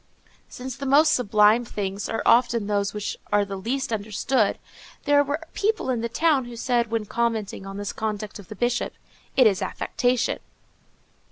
_ Since the most sublime things are often those which are the least understood, there were people in the town who said, when commenting on this conduct of the Bishop, _"It is affectation."